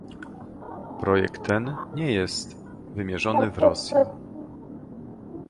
Projekt ten nie jest wymierzony w Rosję